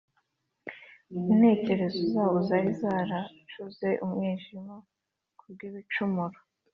Intekerezo zabo zari zaracuze umwijima kubw’ibicumuro